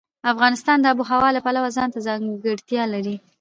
افغانستان د آب وهوا د پلوه ځانته ځانګړتیا لري.